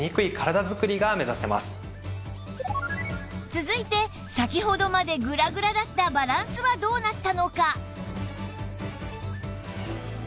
続いて先ほどまでグラグラだったバランスはどうなったのか？